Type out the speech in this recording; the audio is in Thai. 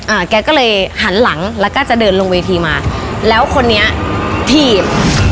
แกก็เลยหันหลังแล้วก็จะเดินลงเวทีมาแล้วคนนี้ถีบ